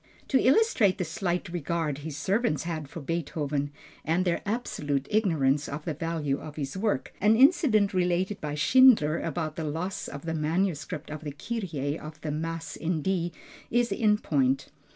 To illustrate the slight regard his servants had for Beethoven and their absolute ignorance of the value of his work, an incident related by Schindler about the loss of the manuscript of the Kyrie of the Mass in D is in point.